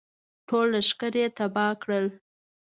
ټول لښکر یې تباه کړل.